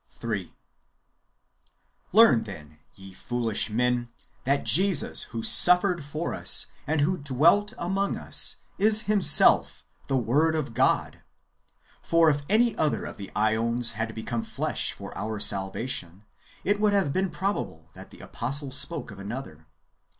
3. Learn then, ye foolish men, that Jesus who suffered for us, and who dwelt among us, is Himself the Word of God. For if any other of the ^ons had become flesh for our salvation, it would have been probable that the apostle spoke of another.